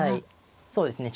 そうですね